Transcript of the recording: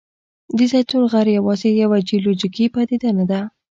د زیتون غر یوازې یوه جیولوجیکي پدیده نه ده.